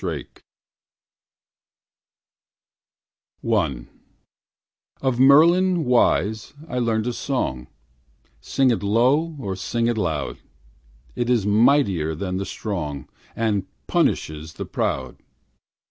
MERLIN'S SONG I Of Merlin wise I learned a song, Sing it low or sing it loud, It is mightier than the strong, And punishes the proud.